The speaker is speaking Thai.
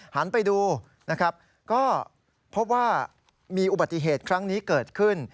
หันไปดูนะครับก็พบว่ามีอุบัติเหตุครั้งนี้เกิดขึ้น